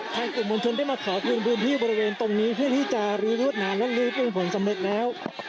ทางกลุ่มมลชนได้มาขอบริเวณที่อยู่บริเวณตรงนี้เพื่อที่จะรีบรุ่นนานและรีบรุ่นผลสำเร็จแล้ว